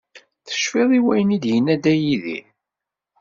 Tecfiḍ i wayen i d-yenna Dda Yidir?